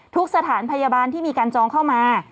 สถานพยาบาลที่มีการจองเข้ามา